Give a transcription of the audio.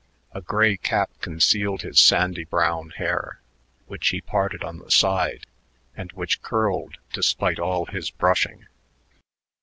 A gray cap concealed his sandy brown hair, which he parted on the side and which curled despite all his brushing.